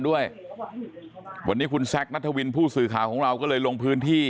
วันนี้คุณแซคนัทวินผู้สื่อข่าวกลัวก็เลยลงพื้นที่